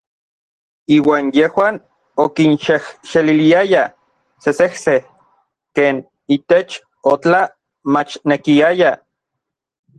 Iuan yejuan okinxejxeliliayaj sesejsej ken itech otla machnekiaya.